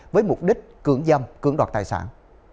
với mục đích cưỡng dâm cưỡng đoạt tài sản